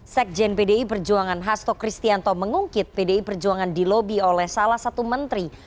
sekjen pdi perjuangan hasto kristianto mengungkit pdi perjuangan dilobi oleh salah satu menteri